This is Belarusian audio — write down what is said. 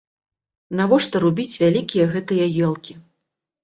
Навошта рубіць вялікія гэтыя елкі.